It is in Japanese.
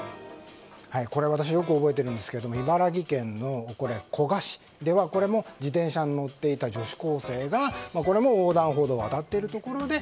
私、よく覚えているんですが茨城県の古賀市ではこれも自転車に乗っていた女子高生が、これも横断歩道を渡っているところで